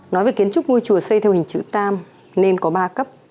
nói về kiến trúc ngôi chùa xây theo hình chữ tam nên có ba cấp